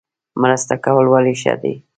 مرسته کول ولې ښه دي؟